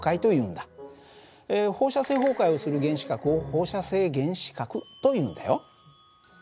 放射性崩壊をする原子核を放射性原子核というんだよ。